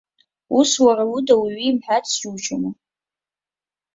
Ус уара уда уаҩы имҳәац џьушьома?!